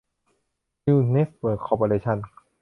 นิวส์ เน็ตเวิร์ค คอร์ปอเรชั่น